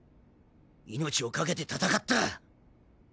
命を懸けて戦った。